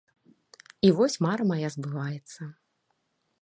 І вось мара мая збываецца.